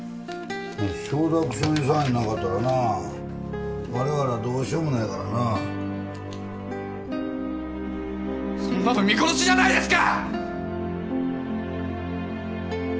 承諾書にサインなかったらな我々はどうしようもないからなそんなの見殺しじゃないですか！